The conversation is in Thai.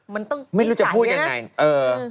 ไม่รู้จะพูดยังไง